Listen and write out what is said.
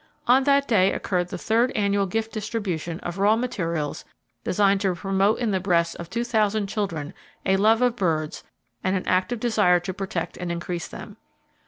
On that day occurred the third annual gift distribution of raw materials designed to promote in the breasts of 2,000 children a love for birds and an active desire to protect and increase them.